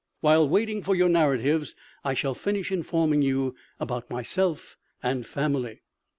While waiting for your narratives, I shall finish informing you about myself and family."